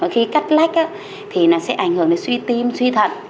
khi cắt lách thì nó sẽ ảnh hưởng đến suy tim suy thận